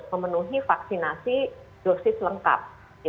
mereka harus memenuhi vaksinasi dosis lengkap